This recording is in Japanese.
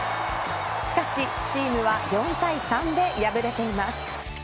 しかし、チームは４対３で敗れています。